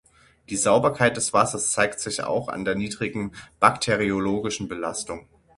Die Sauberkeit des Wassers zeigt sich auch an der niedrigen bakteriologischen Belastung.